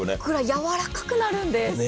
ふっくらやわらかくなるんです。